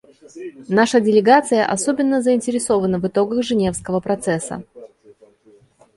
Наша делегация особенно заинтересована в итогах Женевского процесса.